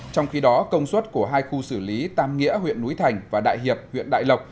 trong khi đó công suất của hai khu xử lý tam nghĩa huyện núi thành và đại hiệp huyện đại lộc